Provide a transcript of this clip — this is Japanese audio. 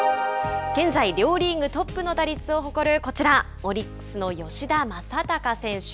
現在、両リーグトップの打率を誇るオリックス、吉田正尚選手。